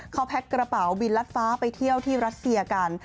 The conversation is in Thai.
เขาแพ็กกระเป๋าบินรัดฟ้าไปเที่ยวที่รัสเซียกัน